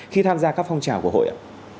khi tham gia các phong trào của hội ạ